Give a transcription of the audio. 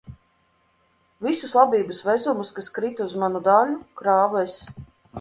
Visus labības vezumus, kas krita uz manu daļu, krāvu es.